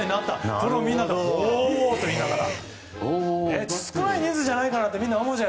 これをみんなでほーっ言いながら。